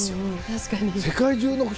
確かに。